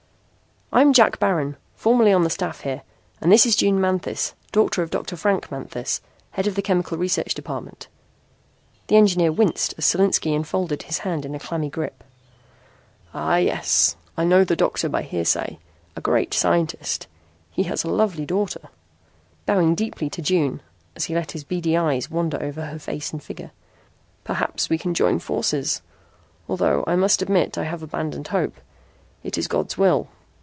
"I'm Jack Baron, formerly on the staff here, and this is June Manthis, daughter of Dr. Frank Manthis, head of the chemical research department." The engineer winced as Solinski enfolded his hand in a clammy grip. "Ah yes, I know the doctor by hearsay. A great scientist. He has a lovely daughter" bowing deeply to June as he let his beady eyes wander over her face and figure. "Perhaps we can join forces, although I must admit I have abandoned hope. It is God's will."